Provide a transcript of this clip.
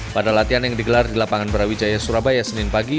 pada latihan yang digelar di lapangan brawijaya surabaya senin pagi